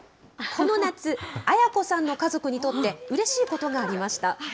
この夏、綾子さんの家族にとって、うれしいことがありました。